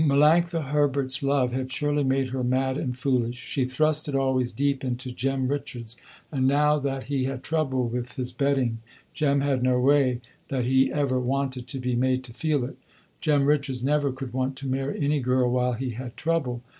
Melanctha Herbert's love had surely made her mad and foolish. She thrust it always deep into Jem Richards and now that he had trouble with his betting, Jem had no way that he ever wanted to be made to feel it. Jem Richards never could want to marry any girl while he had trouble.